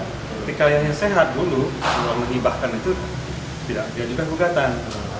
ketika ayahnya sehat dulu kalau menghibahkan itu dia juga digugatan